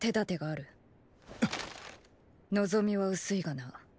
望みは薄いがな。